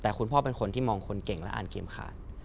แต่คุณพ่อเป็นคนที่มองคนเก่งและอ่านเกมขาด